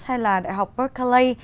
hay là đại học berkeley